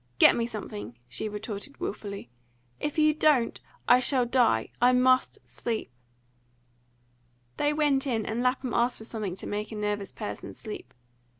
Get me something!" she retorted wilfully. "If you don't, I shall die. I MUST sleep." They went in, and Lapham asked for something to make a nervous person sleep.